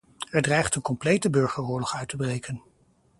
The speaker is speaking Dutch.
Er dreigt een complete burgeroorlog uit te breken.